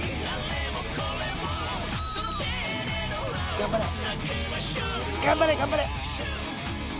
頑張れ頑張れ頑張れ！